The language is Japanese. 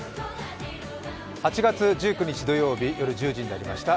８月１９日土曜日夜１０時になりました。